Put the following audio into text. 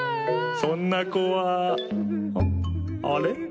そんな子はああれ？